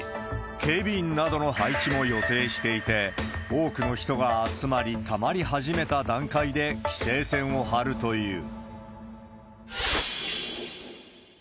警備員などの配置も予定していて、多くの人が集まり、たまり始めた段階で規制線を張るという。